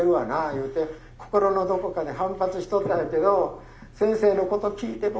言うて心のどこかで反発しとったんやけど先生のこと聞いて僕